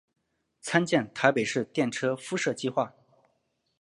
参见台北市电车敷设计画。